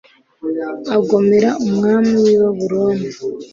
agomera umwami w i Babuloni